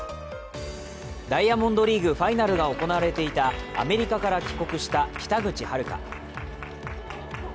ダイヤモンドリーグファイナルが行われていたアメリカから帰国した北口榛花。